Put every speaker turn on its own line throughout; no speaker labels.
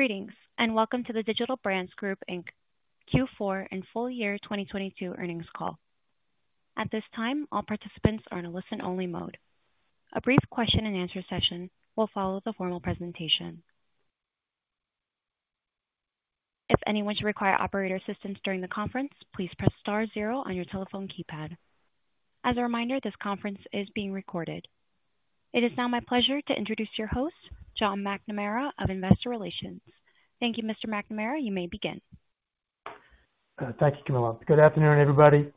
Greetings, welcome to the Digital Brands Group, Inc. Q4 and full year 2022 earnings call. At this time, all participants are in a listen-only mode. A brief question-and-answer session will follow the formal presentation. If anyone should require operator assistance during the conference, please press star zero on your telephone keypad. As a reminder, this conference is being recorded. It is now my pleasure to introduce your host, John McNamara of Investor Relations. Thank you, Mr. McNamara. You may begin.
Thank you, Camilla. Good afternoon, everybody.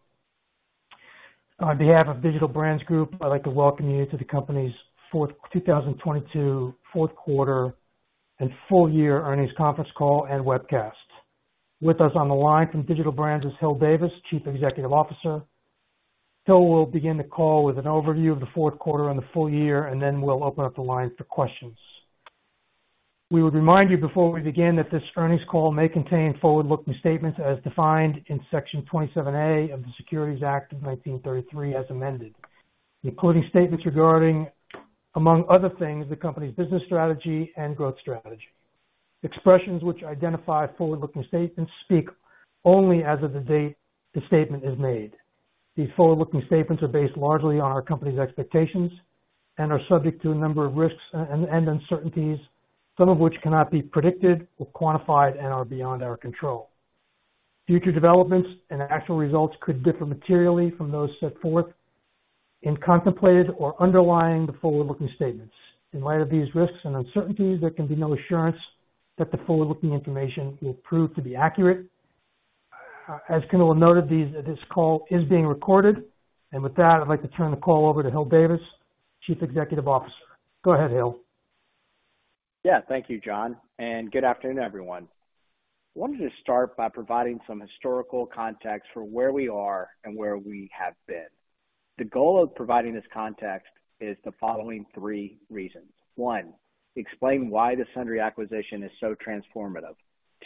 On behalf of Digital Brands Group, I'd like to welcome you to the company's 2022 fourth quarter and full year earnings conference call and webcast. With us on the line from Digital Brands is Hil Davis, Chief Executive Officer. Hil will begin the call with an overview of the fourth quarter and the full year, and then we'll open up the line for questions. We would remind you before we begin that this earnings call may contain forward-looking statements as defined in Section 27A of the Securities Act of 1933, as amended, including statements regarding, among other things, the company's business strategy and growth strategy. Expressions which identify forward-looking statements speak only as of the date the statement is made. These forward-looking statements are based largely on our company's expectations and are subject to a number of risks and uncertainties, some of which cannot be predicted or quantified and are beyond our control. Future developments and actual results could differ materially from those set forth in contemplated or underlying the forward-looking statements. In light of these risks and uncertainties, there can be no assurance that the forward-looking information will prove to be accurate. As Camilla noted, this call is being recorded. With that, I'd like to turn the call over to Hil Davis, Chief Executive Officer. Go ahead, Hil.
Thank you, John, and good afternoon, everyone. I wanted to start by providing some historical context for where we are and where we have been. The goal of providing this context is the following 3 reasons. 1, explain why the Sundry acquisition is so transformative.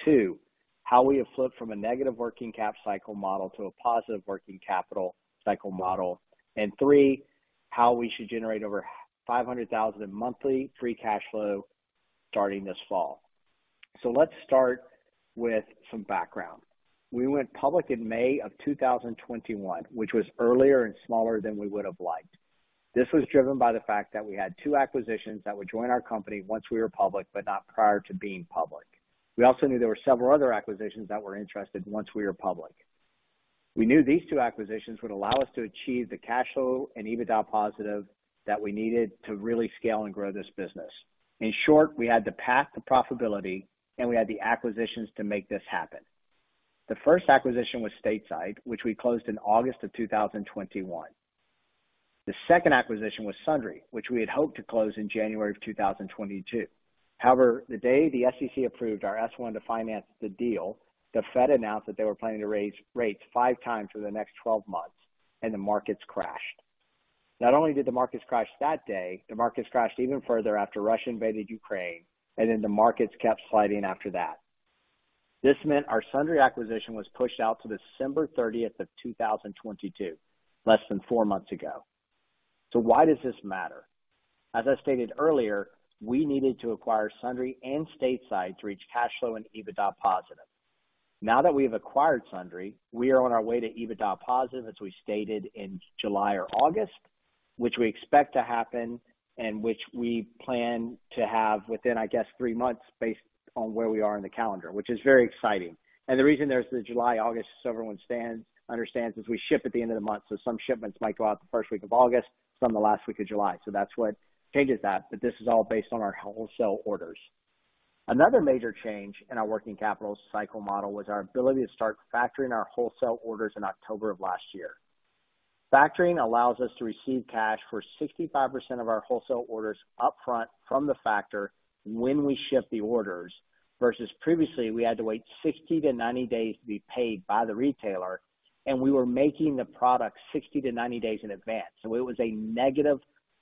2, how we have flipped from a negative working cap cycle model to a positive working capital cycle model. 3, how we should generate over $500,000 in monthly free cash flow starting this fall. Let's start with some background. We went public in May of 2021, which was earlier and smaller than we would have liked. This was driven by the fact that we had 2 acquisitions that would join our company once we were public but not prior to being public. We also knew there were several other acquisitions that were interested once we were public. We knew these two acquisitions would allow us to achieve the cash flow and EBITDA positive that we needed to really scale and grow this business. In short, we had the path to profitability, and we had the acquisitions to make this happen. The first acquisition was Stateside, which we closed in August of 2021. The second acquisition was Sundry, which we had hoped to close in January of 2022. The day the SEC approved our S-1 to finance the deal, the Fed announced that they were planning to raise rates five times for the next 12 months. The markets crashed. Not only did the markets crash that day, the markets crashed even further after Russia invaded Ukraine. The markets kept sliding after that. This meant our Sundry acquisition was pushed out to December 30, 2022, less than 4 months ago. Why does this matter? As I stated earlier, we needed to acquire Sundry and Stateside to reach cash flow and EBITDA positive. Now that we have acquired Sundry, we are on our way to EBITDA positive, as we stated in July or August, which we expect to happen and which we plan to have within, I guess, 3 months based on where we are in the calendar, which is very exciting. The reason there's the July/August, as everyone understands, is we ship at the end of the month, so some shipments might go out the first week of August, some the last week of July. That's what changes that. This is all based on our wholesale orders. Another major change in our working capital cycle model was our ability to start factoring our wholesale orders in October of last year. Factoring allows us to receive cash for 65% of our wholesale orders upfront from the factor when we ship the orders, versus previously, we had to wait 60-90 days to be paid by the retailer, and we were making the product 60-90 days in advance. It was a negative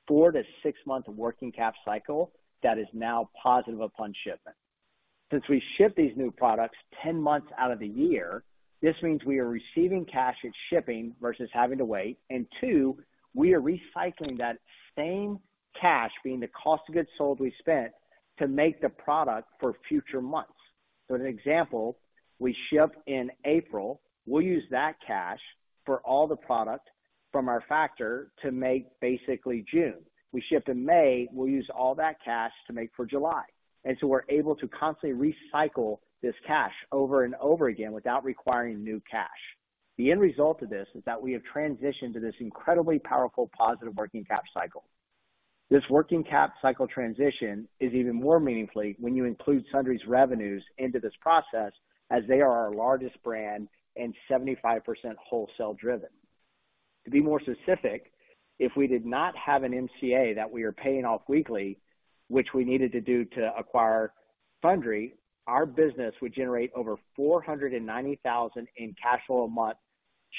4-6-month working cap cycle that is now positive upon shipment. Since we ship these new products 10 months out of the year, this means we are receiving cash at shipping versus having to wait. Two, we are recycling that same cash, being the cost of goods sold we spent to make the product for future months. As an example, we ship in April. We'll use that cash for all the product from our factor to make basically June. We ship in May, we'll use all that cash to make for July. We're able to constantly recycle this cash over and over again without requiring new cash. The end result of this is that we have transitioned to this incredibly powerful positive working cap cycle. This working cap cycle transition is even more meaningfully when you include Sundry's revenues into this process, as they are our largest brand and 75% wholesale-driven. To be more specific, if we did not have an MCA that we are paying off weekly, which we needed to do to acquire Sundry, our business would generate over $490,000 in cash flow a month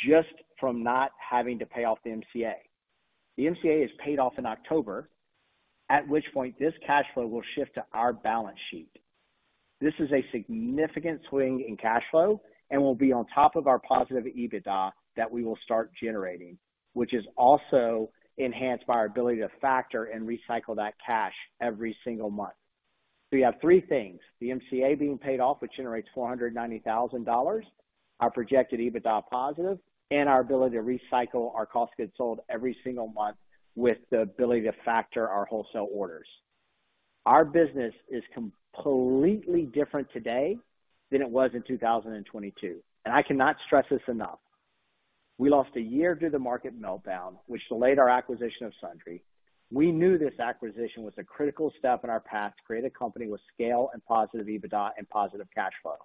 just from not having to pay off the MCA. The MCA is paid off in October, at which point this cash flow will shift to our balance sheet. This is a significant swing in cash flow and will be on top of our positive EBITDA that we will start generating, which is also enhanced by our ability to factor and recycle that cash every single month. You have three things. The MCA being paid off, which generates $490,000, our projected EBITDA positive, and our ability to recycle our cost goods sold every single month with the ability to factor our wholesale orders. Our business is completely different today than it was in 2022, and I cannot stress this enough. We lost a year due to market meltdown, which delayed our acquisition of Sundry. We knew this acquisition was a critical step in our path to create a company with scale and positive EBITDA and positive cash flow.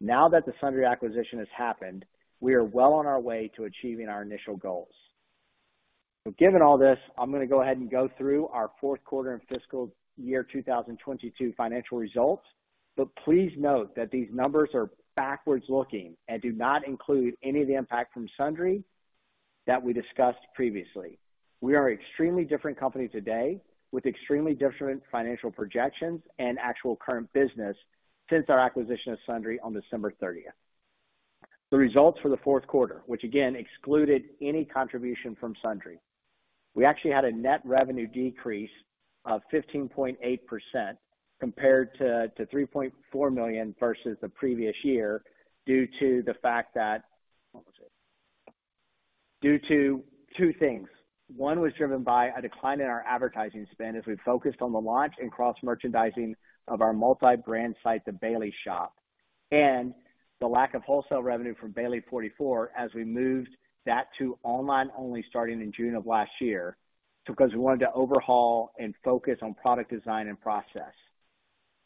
Now that the Sundry acquisition has happened, we are well on our way to achieving our initial goals. Given all this, I'm gonna go ahead and go through our fourth quarter and fiscal year 2022 financial results. Please note that these numbers are backwards looking and do not include any of the impact from Sundry that we discussed previously. We are extremely different company today with extremely different financial projections and actual current business since our acquisition of Sundry on December 30th. The results for the fourth quarter, which again excluded any contribution from Sundry. We actually had a net revenue decrease of 15.8% compared to $3.4 million versus the previous year due to the fact that. What was it? Due to two things. One was driven by a decline in our advertising spend as we focused on the launch and cross-merchandising of our multi-brand site, The Baileys Shop. The lack of wholesale revenue from Baileys 44 as we moved that to online only starting in June of last year, because we wanted to overhaul and focus on product design and process.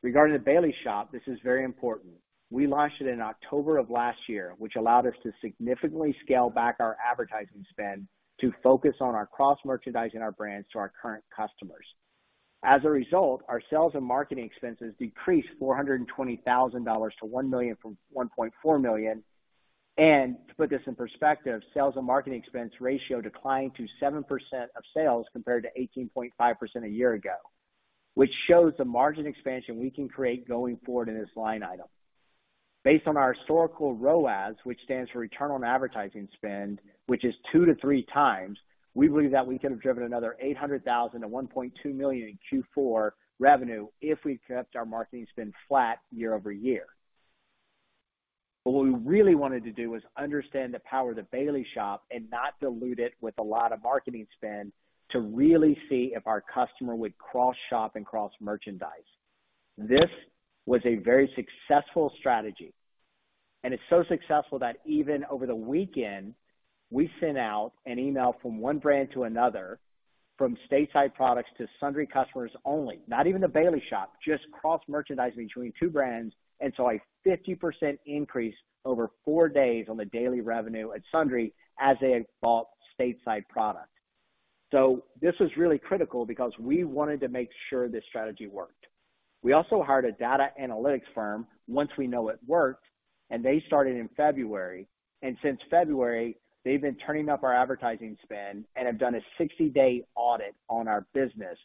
Regarding The Baileys Shop, this is very important. We launched it in October of last year, which allowed us to significantly scale back our advertising spend to focus on our cross-merchandising our brands to our current customers. Our sales and marketing expenses decreased $420,000 to $1 million from $1.4 million. To put this in perspective, sales and marketing expense ratio declined to 7% of sales compared to 18.5% a year ago, which shows the margin expansion we can create going forward in this line item. Based on our historical ROAS, which stands for Return On Advertising Spend, which is 2 to 3 times, we believe that we could have driven another $800,000 to $1.2 million in Q4 revenue if we kept our marketing spend flat year-over-year. What we really wanted to do was understand the power of The Baileys Shop and not dilute it with a lot of marketing spend to really see if our customer would cross shop and cross merchandise. This was a very successful strategy, and it's so successful that even over the weekend, we sent out an email from one brand to another, from Stateside products to Sundry customers only, not even the Baileys Shop, just cross-merchandising between two brands, and saw a 50% increase over 4 days on the daily revenue at Sundry as they bought Stateside product. This was really critical because we wanted to make sure this strategy worked. We also hired a data analytics firm once we know it worked, and they started in February. Since February, they've been turning up our advertising spend and have done a 60-day audit on our business.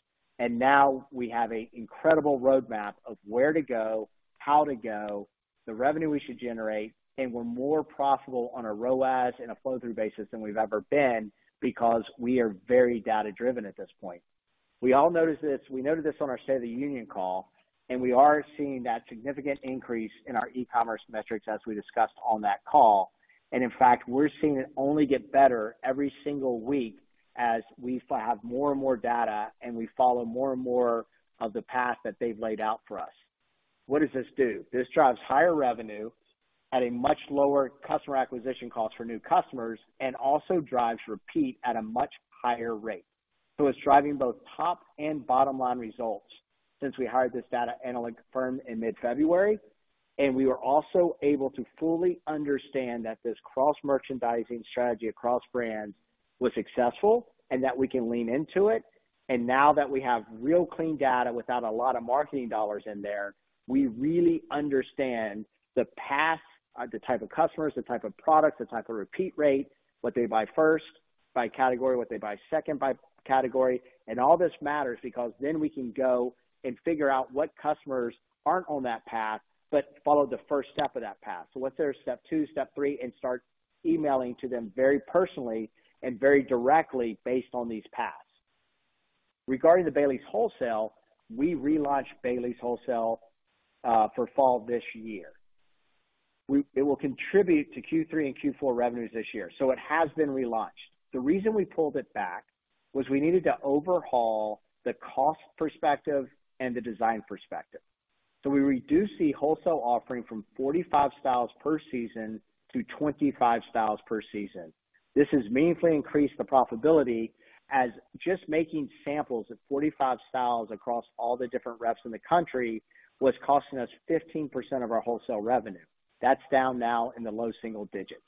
Now we have an incredible roadmap of where to go, how to go, the revenue we should generate, and we're more profitable on a ROAS and a flow through basis than we've ever been because we are very data-driven at this point. We all noticed this. We noted this on our State of the Union call, and we are seeing that significant increase in our e-commerce metrics as we discussed on that call. In fact, we're seeing it only get better every single week as we have more and more data and we follow more and more of the path that they've laid out for us. What does this do? This drives higher revenue at a much lower customer acquisition cost for new customers and also drives repeat at a much higher rate. It's driving both top and bottom line results since we hired this data analytics firm in mid-February. We were also able to fully understand that this cross-merchandising strategy across brands was successful and that we can lean into it. Now that we have real clean data without a lot of marketing dollars in there, we really understand the path, the type of customers, the type of product, the type of repeat rate, what they buy first by category, what they buy second by category. All this matters because then we can go and figure out what customers aren't on that path, but follow the first step of that path. What's their step 2, step 3, and start emailing to them very personally and very directly based on these paths. Regarding the Baileys wholesale, we relaunched Baileys wholesale for fall this year. It will contribute to Q3 and Q4 revenues this year. It has been relaunched. The reason we pulled it back was we needed to overhaul the cost perspective and the design perspective. We reduced the wholesale offering from 45 styles per season to 25 styles per season. This has meaningfully increased the profitability as just making samples of 45 styles across all the different reps in the country was costing us 15% of our wholesale revenue. That's down now in the low single digits.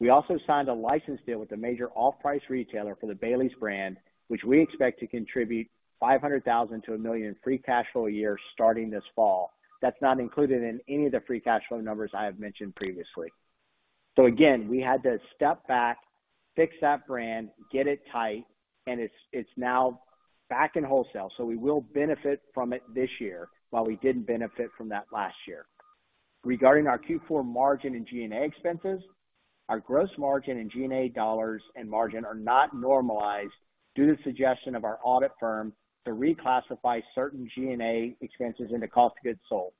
We also signed a license deal with a major off-price retailer for the Baileyss brand, which we expect to contribute $500,000-$1 million in free cash flow a year starting this fall. That's not included in any of the free cash flow numbers I have mentioned previously. Again, we had to step back, fix that brand, get it tight, and it's now back in wholesale. We will benefit from it this year, while we didn't benefit from that last year. Regarding our Q4 margin and G&A expenses, our gross margin and G&A dollars and margin are not normalized due to the suggestion of our audit firm to reclassify certain G&A expenses into cost of goods sold.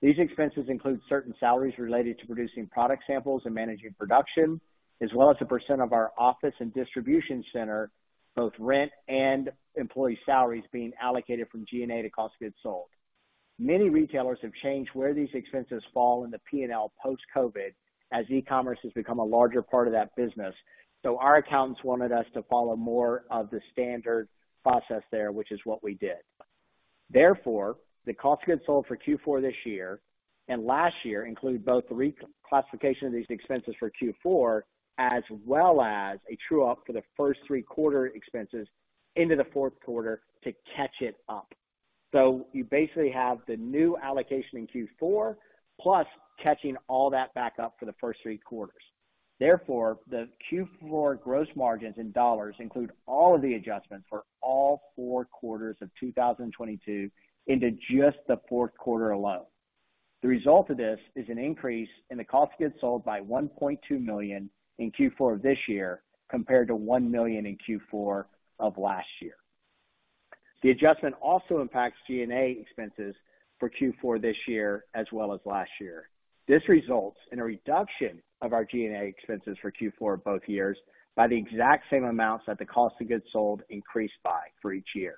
These expenses include certain salaries related to producing product samples and managing production, as well as a % of our office and distribution center, both rent and employee salaries being allocated from G&A to cost of goods sold. Many retailers have changed where these expenses fall in the P&L post-COVID as e-commerce has become a larger part of that business. Our accountants wanted us to follow more of the standard process there, which is what we did. The cost of goods sold for Q4 this year and last year include both the reclassification of these expenses for Q4 as well as a true up for the first three quarter expenses into the fourth quarter to catch it up. You basically have the new allocation in Q4 plus catching all that back up for the first three quarters. The Q4 gross margins in dollars include all of the adjustments for all four quarters of 2022 into just the fourth quarter alone. The result of this is an increase in the cost of goods sold by $1.2 million in Q4 of this year compared to $1 million in Q4 of last year. The adjustment also impacts G&A expenses for Q4 this year as well as last year. This results in a reduction of our G&A expenses for Q4 both years by the exact same amounts that the cost of goods sold increased by for each year.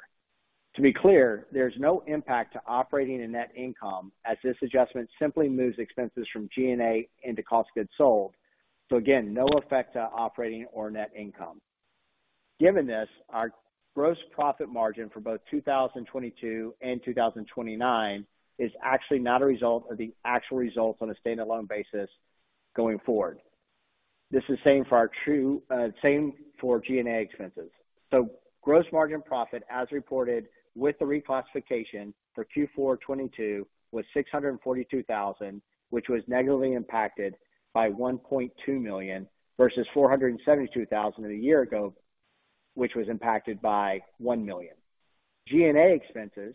To be clear, there's no impact to operating and net income as this adjustment simply moves expenses from G&A into cost of goods sold. Again, no effect to operating or net income. Given this, our gross profit margin for both 2022 and 2021 is actually not a result of the actual results on a stand-alone basis going forward. This is same for our same for G&A expenses. Gross margin profit as reported with the reclassification for Q4 2022 was $642,000, which was negatively impacted by $1.2 million versus $472,000 a year ago, which was impacted by $1 million. G&A expenses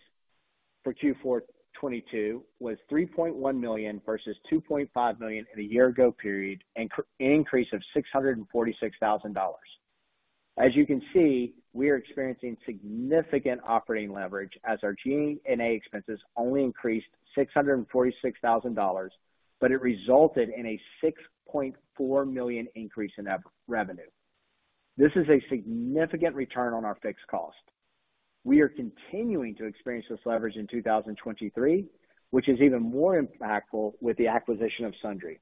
for Q4 2022 was $3.1 million versus $2.5 million in a year ago period, an increase of $646,000. As you can see, we are experiencing significant operating leverage as our G&A expenses only increased $646,000, but it resulted in a $6.4 million increase in revenue. This is a significant return on our fixed cost. We are continuing to experience this leverage in 2023, which is even more impactful with the acquisition of Sundry.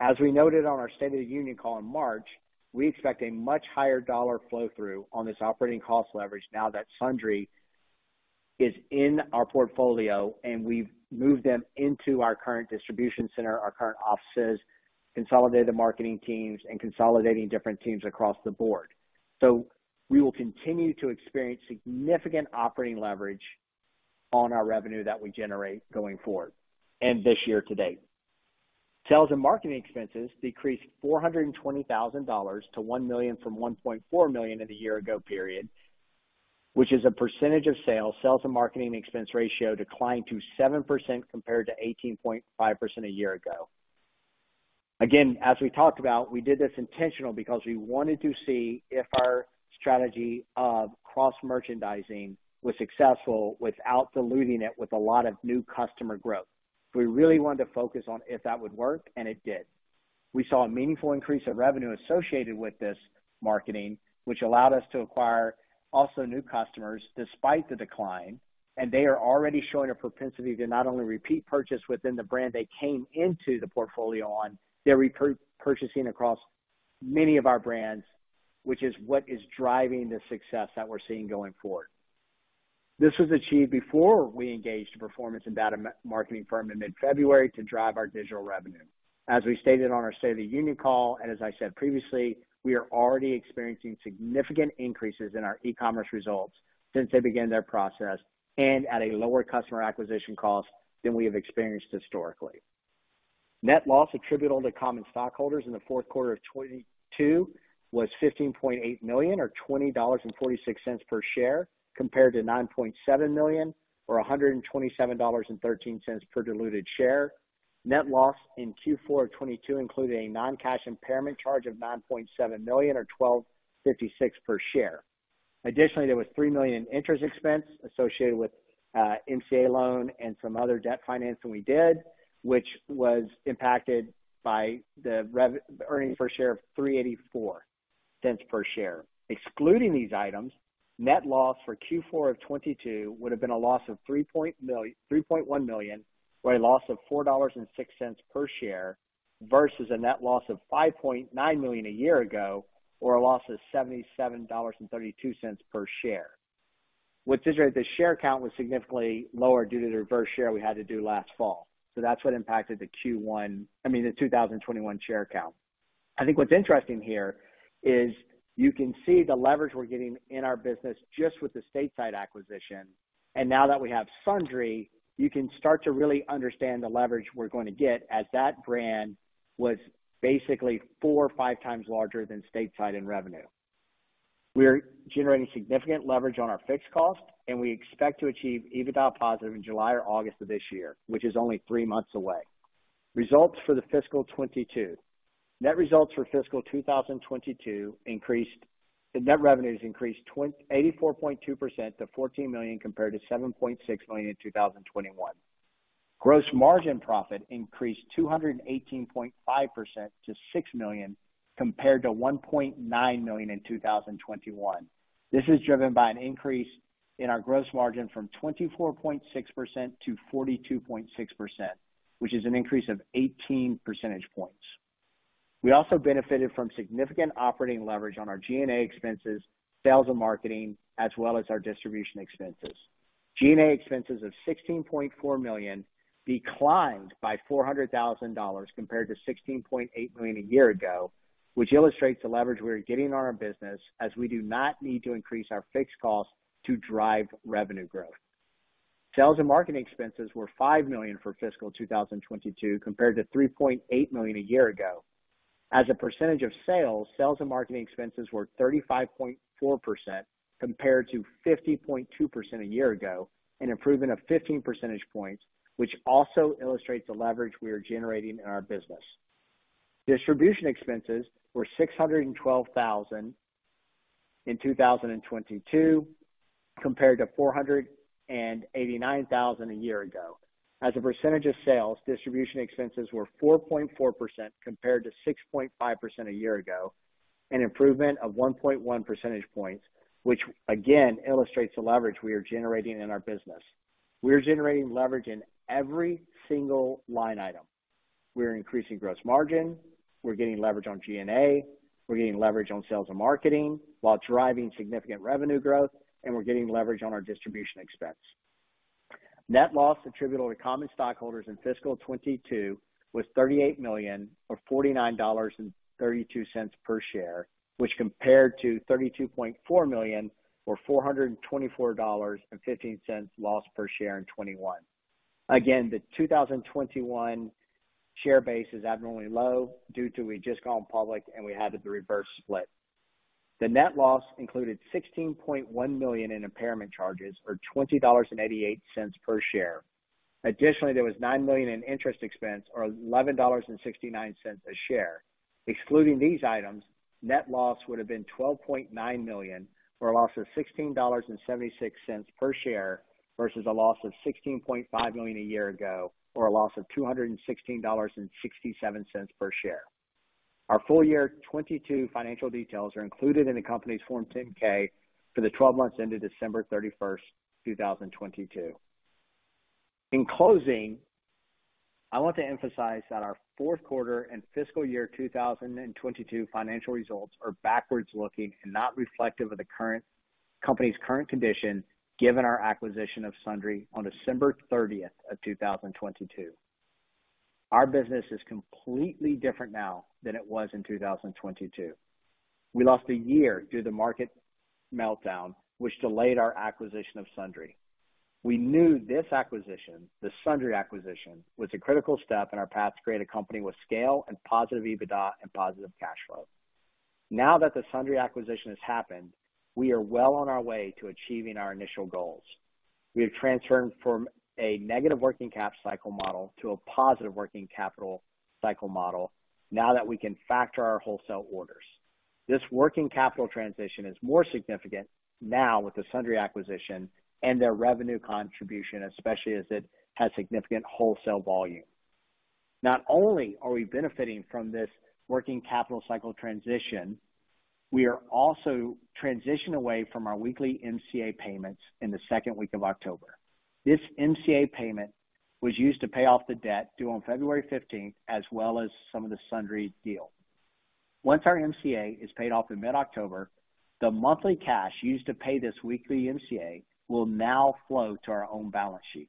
As we noted on our State of the Union call in March, we expect a much higher dollar flow through on this operating cost leverage now that Sundry is in our portfolio and we've moved them into our current distribution center, our current offices, consolidated the marketing teams and consolidating different teams across the board. We will continue to experience significant operating leverage on our revenue that we generate going forward and this year to date. Sales and marketing expenses decreased $420,000 to $1 million from $1.4 million in the year-ago period, which is a percentage of sales. Sales and marketing expense ratio declined to 7% compared to 18.5% a year ago. Again, as we talked about, we did this intentional because we wanted to see if our strategy of cross-merchandising was successful without diluting it with a lot of new customer growth. We really wanted to focus on if that would work, and it did. We saw a meaningful increase of revenue associated with this marketing, which allowed us to acquire also new customers despite the decline. They are already showing a propensity to not only repeat purchase within the brand they came into the portfolio on, they're repurchasing across many of our brands, which is what is driving the success that we're seeing going forward. This was achieved before we engaged a performance and data marketing firm in mid-February to drive our digital revenue. As we stated on our State of the Union call, and as I said previously, we are already experiencing significant increases in our e-commerce results since they began their process and at a lower customer acquisition cost than we have experienced historically. Net loss attributable to common stockholders in the fourth quarter of 2022 was $15.8 million or $20.46 per share, compared to $9.7 million or $127.13 per diluted share. Net loss in Q4 of 2022 included a non-cash impairment charge of $9.7 million or $12.56 per share. Additionally, there was $3 million in interest expense associated with MCA loan and some other debt financing we did, which was impacted by the earnings per share of $3.84 per share. Excluding these items, net loss for Q4 of 2022 would have been a loss of $3.1 million or a loss of $4.06 per share versus a net loss of $5.9 million a year ago or a loss of $77.32 per share. With DBGI, the share count was significantly lower due to the reverse share we had to do last fall. That's what impacted the Q1... I mean, the 2021 share count. I think what's interesting here is you can see the leverage we're getting in our business just with the Stateside acquisition. Now that we have Sundry, you can start to really understand the leverage we're going to get as that brand was basically four or five times larger than Stateside in revenue. We are generating significant leverage on our fixed cost, and we expect to achieve EBITDA positive in July or August of this year, which is only three months away. Results for the fiscal 2022. Net results for fiscal 2022, the net revenues increased 84.2% to $14 million compared to $7.6 million in 2021. Gross margin profit increased 218.5% to $6 million compared to $1.9 million in 2021. This is driven by an increase in our gross margin from 24.6% to 42.6%, which is an increase of 18 percentage points. We also benefited from significant operating leverage on our G&A expenses, sales and marketing, as well as our distribution expenses. G&A expenses of $16.4 million declined by $400,000 compared to $16.8 million a year ago, which illustrates the leverage we are getting on our business as we do not need to increase our fixed costs to drive revenue growth. Sales and marketing expenses were $5 million for fiscal 2022 compared to $3.8 million a year ago. As a percentage of sales and marketing expenses were 35.4% compared to 50.2% a year ago, an improvement of 15 percentage points, which also illustrates the leverage we are generating in our business. Distribution expenses were $612,000 in 2022 compared to $489,000 a year ago. As a percentage of sales, distribution expenses were 4.4% compared to 6.5% a year ago, an improvement of 1.1 percentage points, which again illustrates the leverage we are generating in our business. We are generating leverage in every single line item. We are increasing gross margin, we're getting leverage on G&A, we're getting leverage on sales and marketing while driving significant revenue growth, and we're getting leverage on our distribution expense. Net loss attributable to common stockholders in fiscal 2022 was $38 million, or $49.32 per share, which compared to $32.4 million or $424.15 loss per share in 2021. The 2021 share base is abnormally low due to we'd just gone public and we had the reverse split. The net loss included $16.1 million in impairment charges or $20.88 per share. Additionally, there was $9 million in interest expense or $11.69 a share. Excluding these items, net loss would have been $12.9 million, or a loss of $16.76 per share, versus a loss of $16.5 million a year ago or a loss of $216.67 per share. Our full year 22 financial details are included in the company's Form 10-K for the 12 months ended December 31st, 2022. In closing, I want to emphasize that our fourth quarter and fiscal year 2022 financial results are backwards looking and not reflective of the company's current condition given our acquisition of Sundry on December 30th of 2022. Our business is completely different now than it was in 2022. We lost a year due to the market meltdown, which delayed our acquisition of Sundry. We knew this acquisition, the Sundry acquisition, was a critical step in our path to create a company with scale and positive EBITDA and positive cash flow. The Sundry acquisition has happened, we are well on our way to achieving our initial goals. We have transferred from a negative working cap cycle model to a positive working capital cycle model now that we can factor our wholesale orders. This working capital transition is more significant now with the Sundry acquisition and their revenue contribution, especially as it has significant wholesale volume. Not only are we benefiting from this working capital cycle transition, we are also transitioning away from our weekly MCA payments in the second week of October. This MCA payment was used to pay off the debt due on February 15th, as well as some of the Sundry deal. Once our MCA is paid off in mid-October, the monthly cash used to pay this weekly MCA will now flow to our own balance sheet.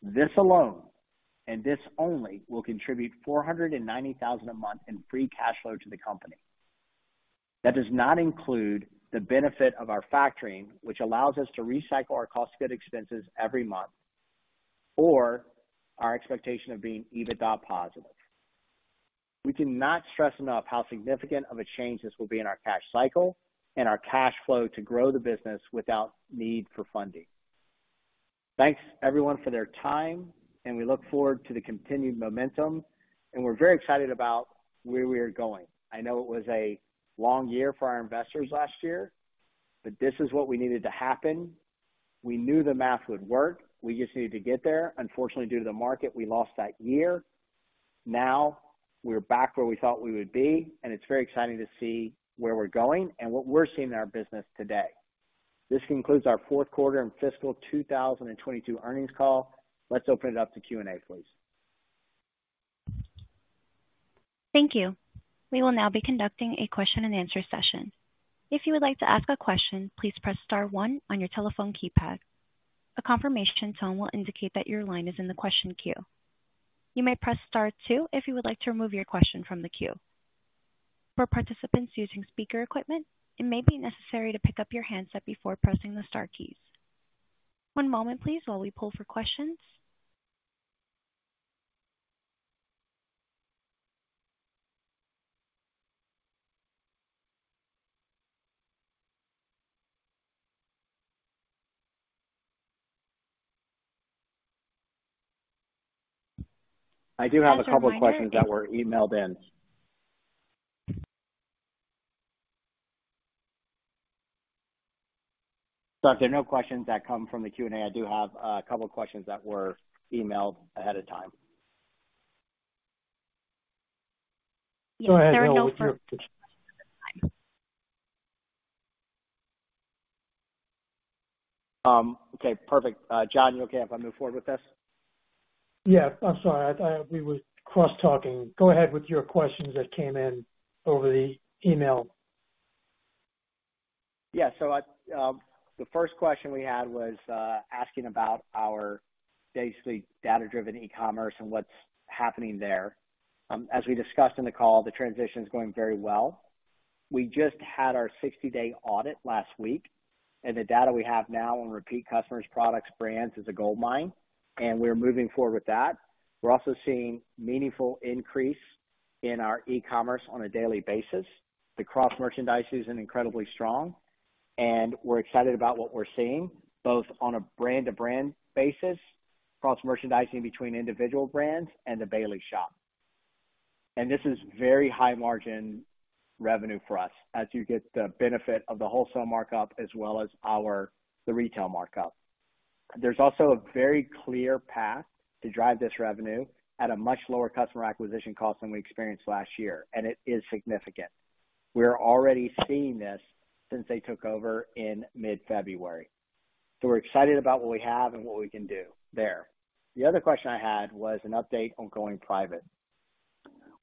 This alone, and this only, will contribute $490,000 a month in free cash flow to the company. That does not include the benefit of our factoring, which allows us to recycle our cost of good expenses every month, or our expectation of being EBITDA positive. We cannot stress enough how significant of a change this will be in our cash cycle and our cash flow to grow the business without need for funding. Thanks, everyone, for their time, and we look forward to the continued momentum. We're very excited about where we are going. I know it was a long year for our investors last year, but this is what we needed to happen. We knew the math would work. We just needed to get there. Unfortunately, due to the market, we lost that year. Now we're back where we thought we would be, and it's very exciting to see where we're going and what we're seeing in our business today. This concludes our fourth quarter and fiscal 2022 earnings call. Let's open it up to Q&A, please.
Thank you. We will now be conducting a question-and-answer session. If you would like to ask a question, please press star one on your telephone keypad. A confirmation tone will indicate that your line is in the question queue. You may press star two if you would like to remove your question from the queue. For participants using speaker equipment, it may be necessary to pick up your handset before pressing the star keys. One moment please while we pull for questions.
I do have a couple of questions that were emailed in. If there are no questions that come from the Q&A, I do have a couple of questions that were emailed ahead of time.
Go ahead, Hil, with your questions.
Okay, perfect. John, you okay if I move forward with this?
Yeah. I'm sorry. We were cross-talking. Go ahead with your questions that came in over the email.
Yeah, the first question we had was asking about our basically data-driven e-commerce and what's happening there. As we discussed in the call, the transition is going very well. We just had our 60-day audit last week, and the data we have now on repeat customers, products, brands is a goldmine, and we're moving forward with that. We're also seeing meaningful increase in our e-commerce on a daily basis. The cross-merchandising is incredibly strong, and we're excited about what we're seeing, both on a brand-to-brand basis, cross-merchandising between individual brands and The Baileys Shop. This is very high margin revenue for us as you get the benefit of the wholesale markup as well as the retail markup. There's also a very clear path to drive this revenue at a much lower customer acquisition cost than we experienced last year, and it is significant. We're already seeing this since they took over in mid-February. We're excited about what we have and what we can do there. The other question I had was an update on going private.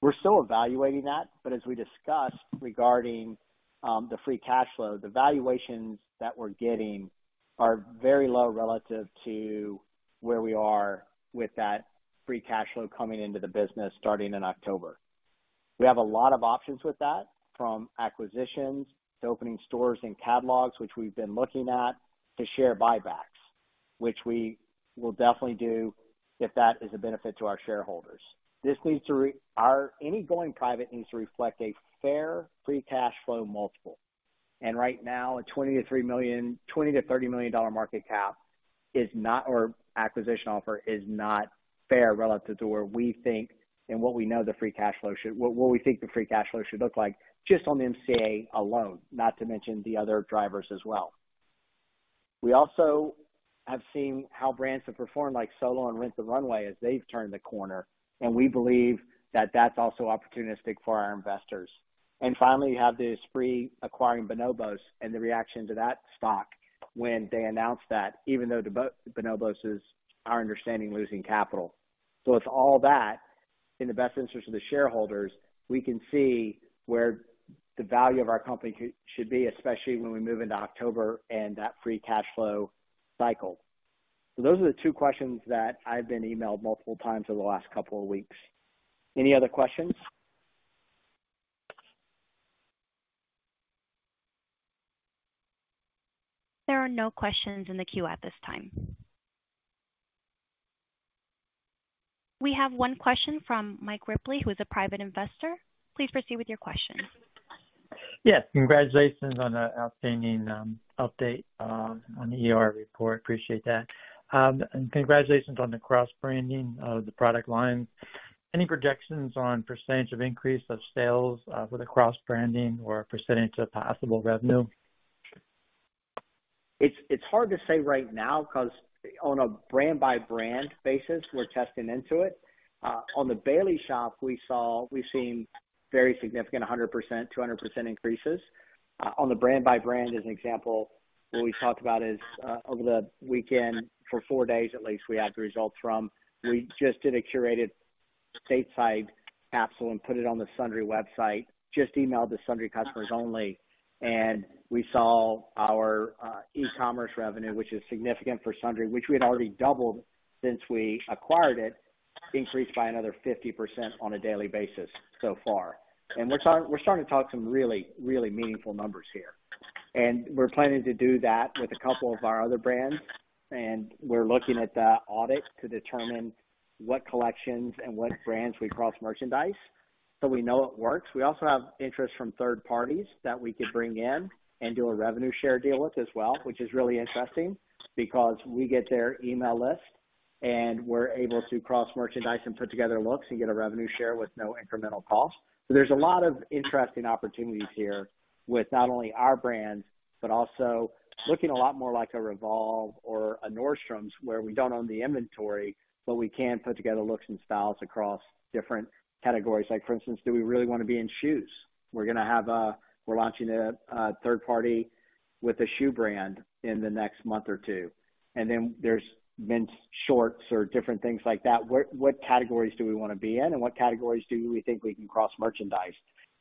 We're still evaluating that. As we discussed regarding the free cash flow, the valuations that we're getting are very low relative to where we are with that free cash flow coming into the business starting in October. We have a lot of options with that, from acquisitions to opening stores and catalogs, which we've been looking at, to share buybacks, which we will definitely do if that is a benefit to our shareholders. Any going private needs to reflect a fair pre-cash flow multiple. Right now, a $20 million-$30 million market cap is not or acquisition offer is not fair relative to where we think and what we know the free cash flow should what we think the free cash flow should look like just on the MCA alone, not to mention the other drivers as well. We also have seen how brands have performed like Solo and Rent the Runway as they've turned the corner, and we believe that that's also opportunistic for our investors. Finally, you have the Esprit acquiring Bonobos and the reaction to that stock when they announced that even though the Bonobos is, our understanding, losing capital. With all that in the best interest of the shareholders, we can see where the value of our company should be, especially when we move into October and that free cash flow cycle. Those are the two questions that I've been emailed multiple times over the last couple of weeks. Any other questions?
There are no questions in the queue at this time. We have one question from Mike Ripley, who is a private investor. Please proceed with your question.
Yes. Congratulations on the outstanding update on the ER report. Appreciate that. Congratulations on the cross-branding of the product line. Any projections on % of increase of sales with the cross-branding or % of possible revenue?
It's hard to say right now because on a brand-by-brand basis, we're testing into it. On The Baileys Shop, we've seen very significant 100%, 200% increases. On the brand-by-brand, as an example, what we talked about is, over the weekend, for 4 days, at least, we had the results from. We just did a curated Stateside capsule and put it on the Sundry website, just emailed the Sundry customers only. We saw our e-commerce revenue, which is significant for Sundry, which we had already doubled since we acquired it, increased by another 50% on a daily basis so far. We're starting to talk some really, really meaningful numbers here. We're planning to do that with a couple of our other brands, and we're looking at the audit to determine what collections and what brands we cross-merchandise so we know it works. We also have interest from third parties that we could bring in and do a revenue share deal with as well, which is really interesting because we get their email list and we're able to cross-merchandise and put together looks and get a revenue share with no incremental cost. There's a lot of interesting opportunities here with not only our brands, but also looking a lot more like a REVOLVE or a Nordstrom, where we don't own the inventory, but we can put together looks and styles across different categories. Like, for instance, do we really wanna be in shoes? We're launching a third party with a shoe brand in the next month or two. There's men's shorts or different things like that. What categories do we wanna be in and what categories do we think we can cross-merchandise?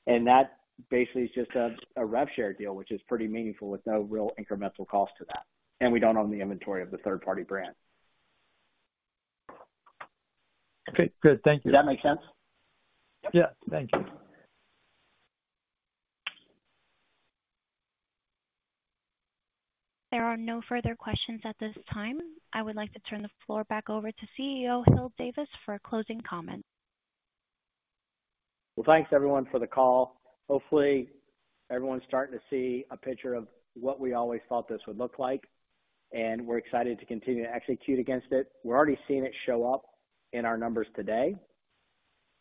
That basically is just a rev share deal, which is pretty meaningful with no real incremental cost to that. We don't own the inventory of the third party brand.
Okay, good. Thank you.
Does that make sense?
Yeah. Thank you.
There are no further questions at this time. I would like to turn the floor back over to CEO Hil Davis for closing comments.
Well, thanks everyone for the call. Hopefully, everyone's starting to see a picture of what we always thought this would look like, and we're excited to continue to execute against it. We're already seeing it show up in our numbers today,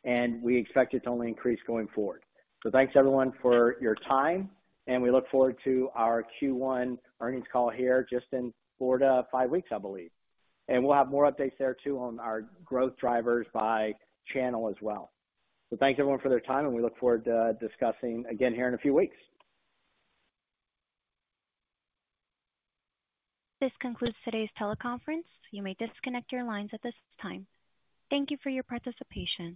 and we expect it to only increase going forward. Thanks everyone for your time, and we look forward to our Q1 earnings call here just in 4 to 5 weeks, I believe. We'll have more updates there too on our growth drivers by channel as well. Thanks everyone for their time, and we look forward to discussing again here in a few weeks.
This concludes today's teleconference. You may disconnect your lines at this time. Thank you for your participation.